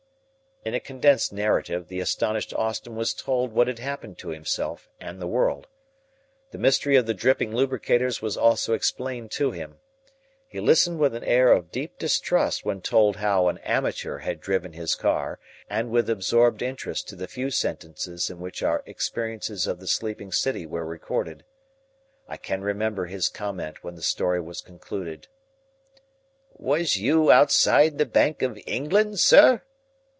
In a condensed narrative the astonished Austin was told what had happened to himself and the world. The mystery of the dripping lubricators was also explained to him. He listened with an air of deep distrust when told how an amateur had driven his car and with absorbed interest to the few sentences in which our experiences of the sleeping city were recorded. I can remember his comment when the story was concluded. "Was you outside the Bank of England, sir?"